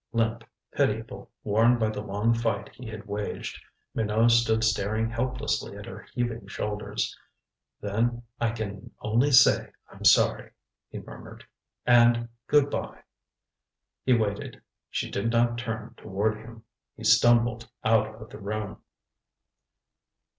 Limp, pitiable, worn by the long fight he had waged, Minot stood staring helplessly at her heaving shoulders. "Then I can only say I'm sorry," he murmured. "And good by." He waited. She did not turn toward him. He stumbled out of the room.